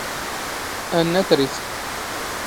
ⴰⵏⵏⴰ ⵜⵔⵉⴷ.